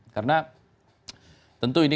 karena tentu ini